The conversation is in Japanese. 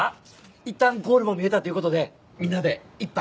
いったんゴールも見えたということでみんなで一杯。